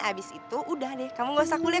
abis itu udah deh kamu gak usah kuliah